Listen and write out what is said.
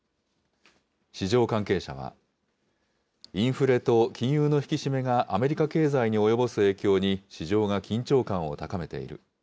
市場関係者は、インフレと金融の引き締めがアメリカ経済に及ぼす影響に市場が緊張感を高めている。